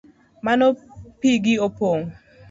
Mano pigi opong’?